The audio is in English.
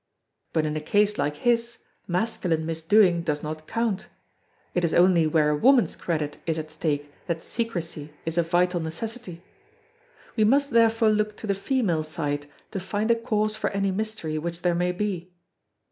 But in a case like his masculine mis doing does not count; it is only where a woman's credit is at stake that secrecy is a vital necessity. We must therefore look to the female side to find a cause for any mystery which there may be.